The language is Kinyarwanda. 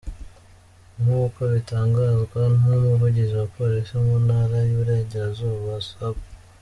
Nk’uko bitangazwa n’Umuvugizi wa Polisi mu Ntara y’Iburengerazuba, Supt.